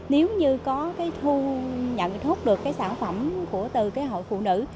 nếu như có cái thu nhận thuốc được cái sản phẩm từ cái hội phụ nữ